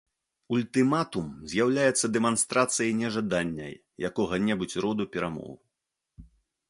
Ультыматум з'яўляецца дэманстрацыяй нежадання якога-небудзь роду перамоў.